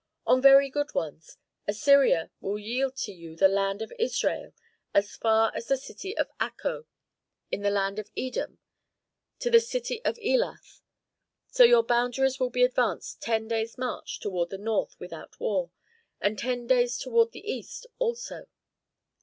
"On very good ones. Assyria will yield to you the land of Israel as far as the city of Akko, and the land of Edom to the city of Elath. So your boundaries will be advanced ten days march toward the north without war, and ten days toward the east also."